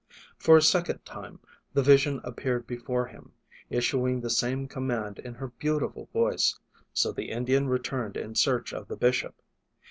For a second time the vision appeared before him, issuing the same command in her beautiful voice, so the Indian returned in search of the bishop.